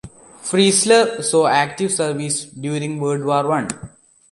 Freisler saw active service during World War One.